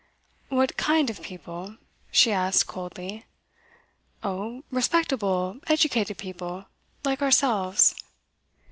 'What kind of people?' she asked coldly. 'Oh respectable, educated people, like ourselves.